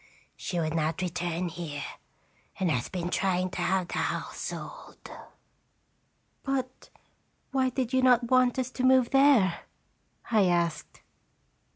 She would not return here, and has been trying to have the house sold." "But why did you not want us to move there?" I asked.""